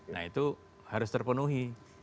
nah itu harus terpenuhi